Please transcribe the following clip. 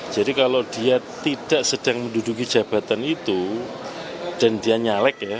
jadi kalau dia tidak sedang menduduki jabatan itu dan dia nyalek